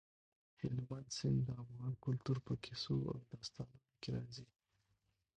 هلمند سیند د افغان کلتور په کیسو او داستانونو کې راځي.